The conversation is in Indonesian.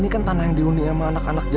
eh lu ngapain disini